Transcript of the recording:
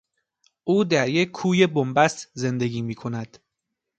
او در یک کوی بنبست زندگی میکند.